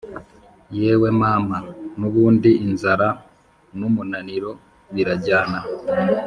yewe mama, nubundi inzara numunaniro birajyana